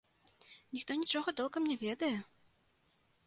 Ніхто нічога толкам не ведае.